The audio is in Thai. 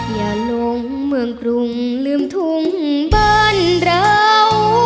อย่าลงเมืองกรุงลืมทุ่งบ้านเรา